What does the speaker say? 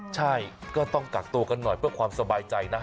ใช่ก็ต้องกักตัวกันหน่อยเพื่อความสบายใจนะ